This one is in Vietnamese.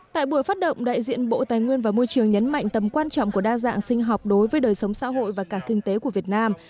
tại buổi phát động đại diện bộ tài nguyên và môi trường nhấn mạnh tầm quan trọng của đa dạng sinh học đối với đời sống xã hội và cả kinh tế của việt nam